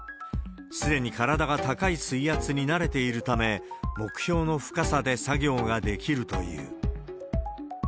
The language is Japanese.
すでに体が高い水圧に慣れているため、目標の深さで作業ができるという。